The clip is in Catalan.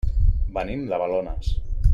Venim de Balones.